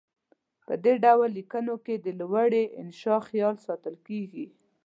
په دې ډول لیکنو کې د لوړې انشاء خیال ساتل کیږي.